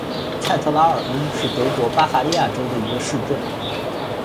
蔡特拉尔恩是德国巴伐利亚州的一个市镇。